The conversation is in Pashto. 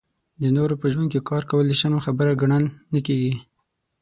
د نورو په ژوند کې کار کول د شرم خبره ګڼل نه کېږي.